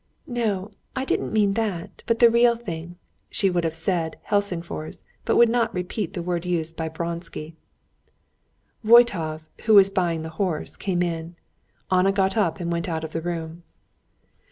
"No, I didn't mean that, but the real thing." She would have said Helsingfors, but would not repeat the word used by Vronsky. Voytov, who was buying the horse, came in. Anna got up and went out of the room.